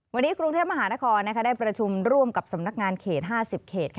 วันนี้กรุงเทพมหานครได้ประชุมร่วมกับสำนักงานเขต๕๐เขต